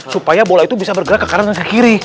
supaya bola itu bisa bergerak ke kanan dan ke kiri